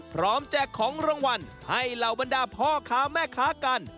แจกของรางวัลให้เหล่าบรรดาพ่อค้าแม่ค้ากัน